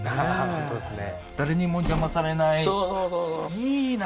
本当ですね